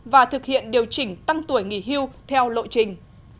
và thực hiện điều chỉnh tăng tuổi nghỉ hưu theo lộ trình